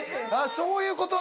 そういうことね